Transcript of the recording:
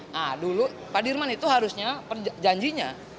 nah dulu pak dirman itu harusnya perjanjinya